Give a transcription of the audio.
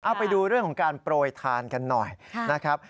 เอาไปดูเรื่องของการโปรยทานกันหน่อยนะครับ